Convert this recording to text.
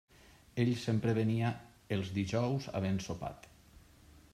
Ell sempre venia els dijous havent sopat.